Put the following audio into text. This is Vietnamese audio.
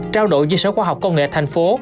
trao đổi dân số khoa học công nghệ thành phố